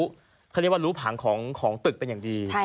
เขาเรียกว่ารู้ผังของตึกเป็นอย่างดี